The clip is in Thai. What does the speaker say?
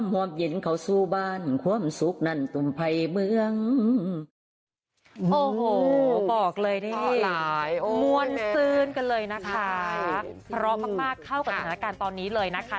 ร้องมากเข้ากับสถานการณ์ตอนนี้เลยนะคะ